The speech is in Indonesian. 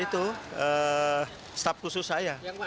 itu staf khusus saya